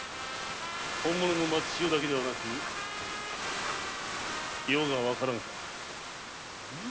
本物の松千代だけでなく余がわからぬか。